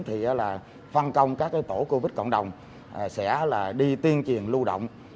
thì là phân công các tổ covid cộng đồng sẽ đi tuyên truyền lưu động